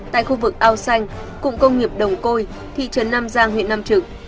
tại khu vực ao xanh cụng công nghiệp đồng côi thị trấn nam giang huyện nam trực